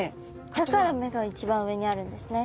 だから目が一番上にあるんですね。